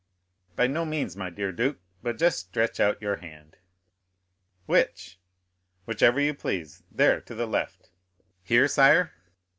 "By no means, my dear duke; but just stretch out your hand." "Which?" "Whichever you please—there to the left." "Here, sire?"